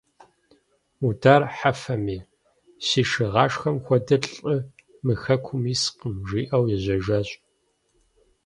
Мудар Хьэфэми: «Си шыгъашхэм хуэдэ лӀы мы хэкум искъым», – жиӀэу ежьэжащ.